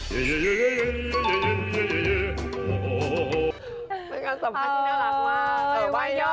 เมื่อการสัมภัณฑ์นี่น่ารักว่า